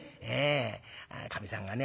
かみさんがね